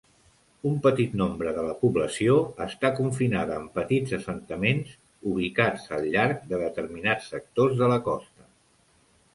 Un petit nombre de la població està confinada en petits assentaments ubicats al llarg de determinats sectors de la costa.